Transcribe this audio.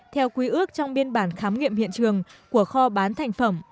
theo quy ước trong biên bản khám nghiệm hiện trường của kho bán thành phẩm